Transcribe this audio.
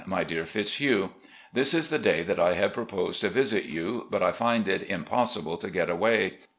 My Dear Fitzhugh: This is the day that I had proposed to visit you, but I find it impossible to get away.